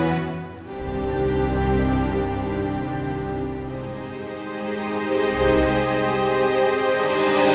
aku mau pulang